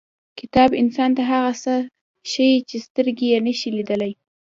• کتاب انسان ته هغه څه ښیي چې سترګې یې نشي لیدلی.